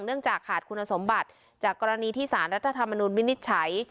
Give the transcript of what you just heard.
เนื่องจากขาดคุณสมบัติจากกรณีที่สารรัฐธรรมนุนวินิจฉัย